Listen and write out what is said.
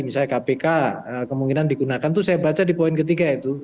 misalnya kpk kemungkinan digunakan itu saya baca di poin ketiga itu